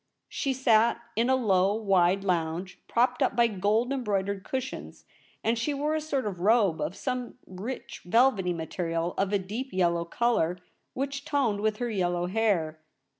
She sat in a low, wide lounge, propped up by gold embroidered cushions, and she wore a sort of robe of some rich velvety material of a deep yellow colour, which toned with her yellow hair.